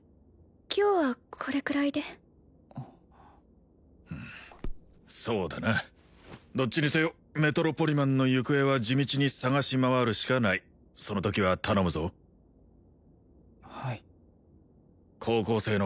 今日はこれくらいでそうだなどっちにせよメトロポリマンの行方は地道に捜し回るしかないそのときは頼むぞはい高校生の